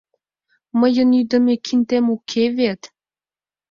Мыйын ӱдымӧ киндем уке вет.